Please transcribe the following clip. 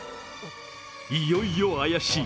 いよいよ怪しい。